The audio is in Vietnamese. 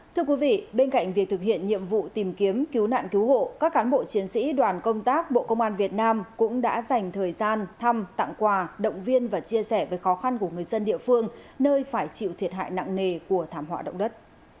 thưa quý vị bên cạnh việc thực hiện nhiệm vụ tìm kiếm cứu nạn cứu hộ các cán bộ chiến sĩ đoàn công tác bộ công an việt nam cũng đã dành thời gian thăm tặng quà động viên và chia sẻ với khó khăn của người dân địa phương nơi phải chịu thiệt hại nặng nề của thảm họa động đất